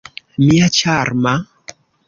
Mia ĉarma!